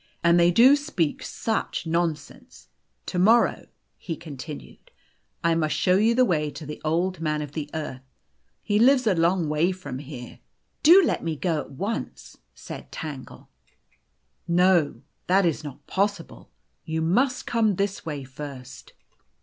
" And they do speak such nonsense ! To morrow," he con tinued, " I must show you the way to the Old Man of the Earth. He lives a long way from here." "Do let me go at once," said Tangle. The Golden Key 201 " No. That is not possible. You must come this way first."